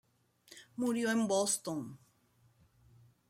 Murió en Boston.